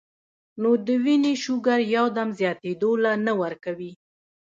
نو د وينې شوګر يو دم زياتېدو له نۀ ورکوي -